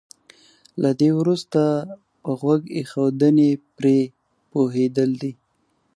له دې وروسته په غوږ ايښودنې پرې پوهېدل دي.